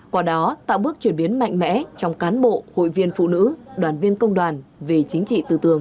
qua đó tạo bước chuyển biến mạnh mẽ trong cán bộ hội viên phụ nữ đoàn viên công đoàn về chính trị tư tường